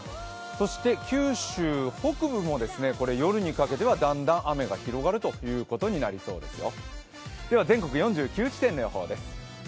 そして、九州北部も夜にかけてはだんだん雨が広がるということになりそうですよ。